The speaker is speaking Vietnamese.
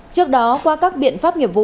trước đó qua các biện pháp nghiệp